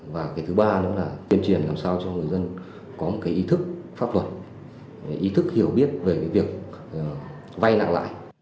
và cái thứ ba nữa là tuyên truyền làm sao cho người dân có một cái ý thức pháp luật ý thức hiểu biết về cái việc vay nặng lãi